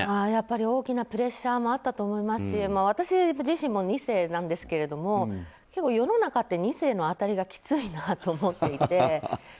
大きなプレッシャーもあったと思いますし私自身も２世なんですけれども結構、世の中って２世への当たりがきついなと思っていて。